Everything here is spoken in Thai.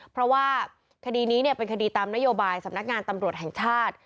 เพราะว่าคดีนี้เป็นคดีตามนโยบายสำนักงานตำรวจแห่งชาติ